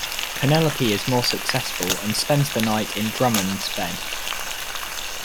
Penelope is more successful and spends the night in Drummond's bed.